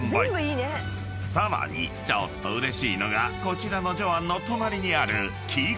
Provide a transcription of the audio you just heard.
［さらにちょっとうれしいのがこちらのジョアンの隣にある］